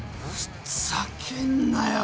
ふざけんなよ！